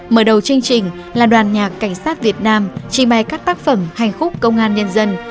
mở đầu chương trình là đoàn nhạc cảnh sát việt nam chi may các tác phẩm hành khúc công an nhân dân